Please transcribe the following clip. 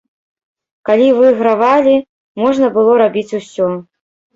Калі выйгравалі, можна было рабіць усё.